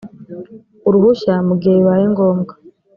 uruhushya mu gihe bibaye ngombwa